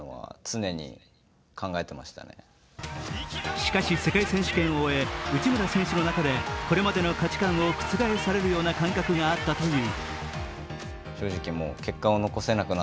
しかし世界選手権を終え、内村選手の中でこれまでの価値観を覆されるような感覚があったという。